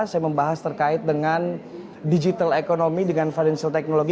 saya membahas terkait dengan digital economy dengan financial technology